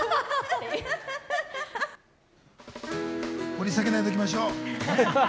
掘り下げないでおきましょう。